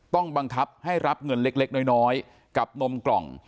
ต้องบังคับให้รับเงินเล็กน้อยกับนมกล่อง